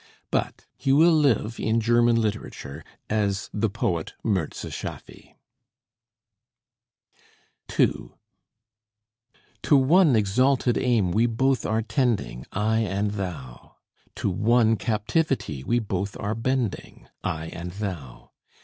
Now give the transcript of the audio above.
But he will live in German literature as the poet Mirza Schaffy. TWO To one exalted aim we both are tending, I and thou! To one captivity we both are bending, I and thou!